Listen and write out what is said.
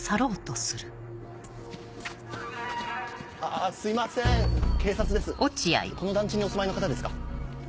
あすいません警察ですこの団地にお住まいの方ですか？